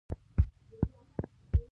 پامیر د افغانانو د تفریح یوه وسیله ده.